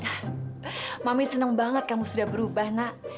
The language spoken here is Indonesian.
hah mami senang banget kamu sudah berubah nak